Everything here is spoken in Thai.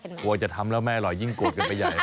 กลัวจะทำแล้วไม่อร่อยยิ่งโกรธกันไปใหญ่